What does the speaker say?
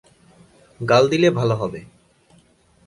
গাল দিলে ভালো হবে।